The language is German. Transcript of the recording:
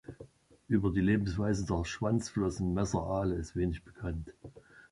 Über die Lebensweise der Schwanzflossen-Messeraale ist wenig bekannt.